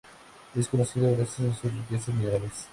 Es conocido gracias a sus riquezas minerales.